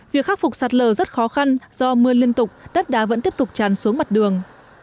việc khắc phục sạt lở rất khó khăn do mưa liên tục đất đá vẫn tiếp tục tràn xuống mặt đường